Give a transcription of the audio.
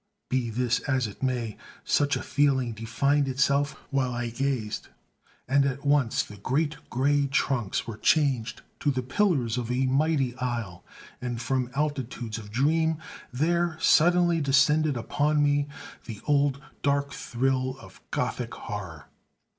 Be this as it may, such a feeling defined itself while I gazed; and at once the great grey trunks were changed to the pillars of a mighty aisle; and from altitudes of dream there suddenly descended upon me the old dark thrill of Gothic horror.